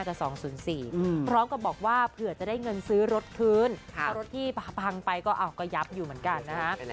พร้อมกับบอกว่าเผื่อจะได้เงินซื้อรถคืนถ้ารถที่พังไปก็ยับอยู่เหมือนกันนะฮะ